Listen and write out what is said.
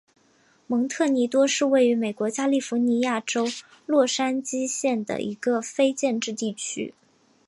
蒙特尼多是位于美国加利福尼亚州洛杉矶县的一个非建制地区。